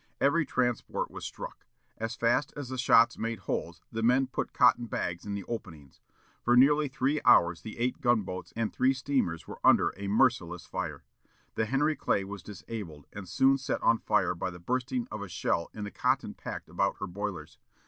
Every transport was struck. As fast as the shots made holes, the men put cotton bags in the openings. For nearly three hours the eight gun boats and three steamers were under a merciless fire. The Henry Clay was disabled, and soon set on fire by the bursting of a shell in the cotton packed about her boilers.